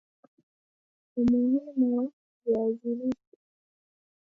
umuhimu wa viazi lishe